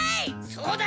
そうだ！